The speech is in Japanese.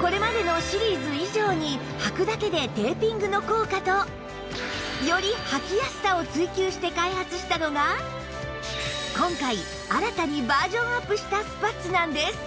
これまでのシリーズ以上にはくだけでテーピングの効果とよりはきやすさを追求して開発したのが今回新たにバージョンアップしたスパッツなんです